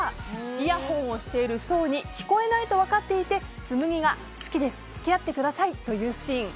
イヤホンをしている想に聞こえないと分かっていて紬が好きです付き合ってくださいと言うシーン。